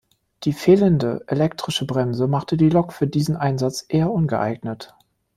Die fehlende elektrische Bremse machte die Lok für diesen Einsatz eher ungeeignet.